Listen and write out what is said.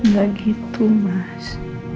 gak gitu mas